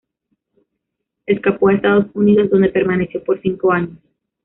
Escapó a Estados Unidos, donde permaneció por cinco años.